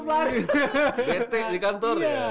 betik di kantor ya